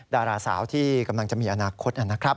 ดาราสาวที่กำลังจะมีอนาคตนะครับ